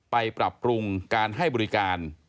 ปรับปรุงการให้บริการ